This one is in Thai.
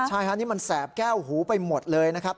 ใช่ฮะนี่มันแสบแก้วหูไปหมดเลยนะครับ